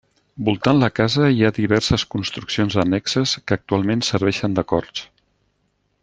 Voltant la casa hi ha diverses construccions annexes que actualment serveixen de corts.